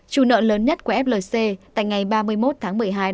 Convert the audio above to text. chủ nợ lớn nhất của flc từ ngày ba mươi một tháng một mươi hai